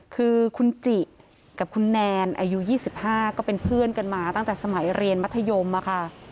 คือคุณจิกับคุณแนนอายุ๒๕ก็เป็นเพื่อนกันมาตั้งแต่สมัยเรียนมัธยมค่ะ